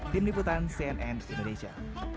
tim liputan cnn indonesia